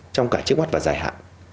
trong cả chức mắt và dài hạn